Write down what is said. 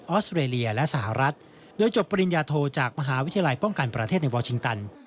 อสเตรเลียและสหรัฐโดยจบปริญญาโทจากมหาวิทยาลัยป้องกันประเทศในวอลชิงตัน